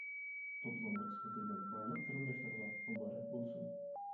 توپلامغا ئىسمى كىرگەن بارلىق قېرىنداشلارغا مۇبارەك بولسۇن!